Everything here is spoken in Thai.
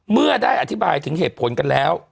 เมื่อได้อธิบายถึงเหตุผลกันแล้ว